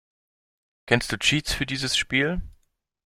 Kennst du Cheats für dieses Spiel?